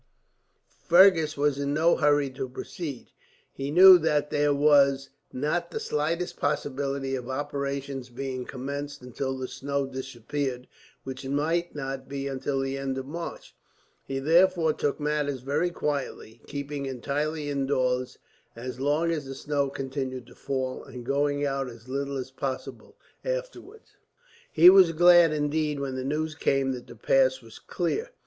Fergus was in no hurry to proceed. He knew that there was not the smallest possibility of operations being commenced until the snow disappeared, which might not be until the end of March. He therefore took matters very quietly, keeping entirely indoors as long as the snow continued to fall, and going out as little as possible, afterwards. He was glad, indeed, when the news came that the pass was clear.